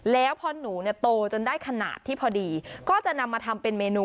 แล้วพอหนูเนี่ยโตจนได้ขนาดที่พอดีก็จะนำมาทำเป็นเมนู